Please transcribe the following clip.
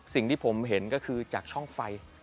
สิ่งที่ผมเห็นก็คือจากช่องไฟ